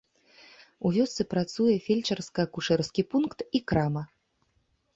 У вёсцы працуе фельчарска-акушэрскі пункт і крама.